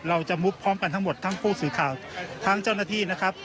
มุบพร้อมกันทั้งหมดทั้งผู้สื่อข่าวทั้งเจ้าหน้าที่นะครับ